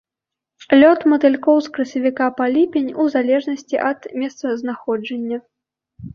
Лёт матылькоў з красавіка па ліпень у залежнасці ад месцазнаходжання.